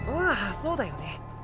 ああそうだよね。